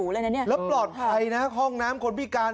แล้วปลอดภัยนะห้องน้ำคนพิการ